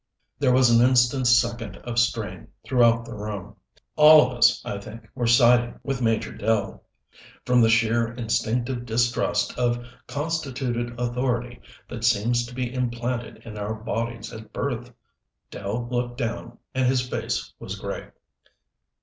There was an instant's second of strain throughout the room. All of us, I think, were siding with Major Dell from the sheer instinctive distrust of constituted authority that seems to be implanted in our bodies at birth. Dell looked down, and his face was gray.